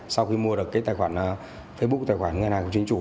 sau khi mua được cái tài khoản facebook tài khoản ngân hàng của chính chủ